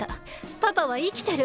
パパはいきてる。